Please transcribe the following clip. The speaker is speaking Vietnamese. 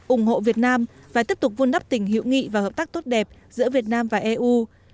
ủng hộ việt nam và tiếp tục vun đắp tỉnh hữu nghị và hợp tác tốt đẹp giữa việt nam và eu